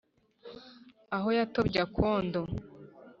aho yatobye akondo